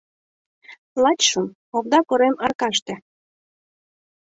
Лачшым — Овда корем аркаште